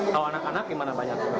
kalau anak anak gimana banyak